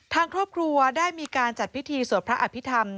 ทางครอบครัวได้มีการจัดพิธีสวดพระอภิษฐรรม